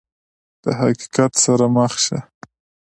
د حقیقت سره مخ شه !